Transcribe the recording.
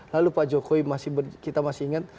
lalu pak jokowi kita masih ingat